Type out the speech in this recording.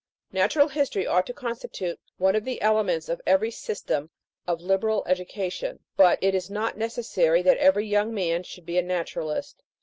Natural History ought to constitute one of the elements of every system of liberal education ; but it is not necessary that every young man should be a naturalist.